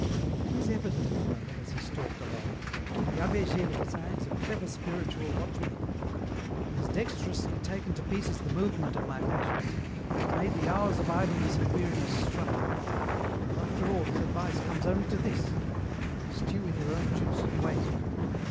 " It is evident," he murmured, as he stalked along, " that the Abbe Gevresin is a clever spiritual watchmaker. He has dex terously taken to pieces the movement of my passions, and made the hours of idleness and weariness strike, but, after all, his advice comes only to this : stew in your own juice and wait.